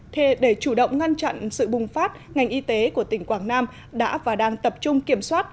thế để chủ động ngăn chặn sự bùng phát ngành y tế của tỉnh quảng nam đã và đang tập trung kiểm soát